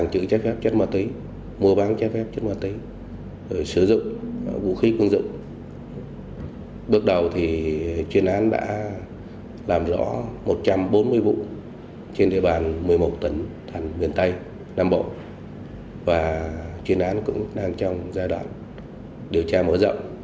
chuyên án cũng đang trong giai đoạn điều tra mở rộng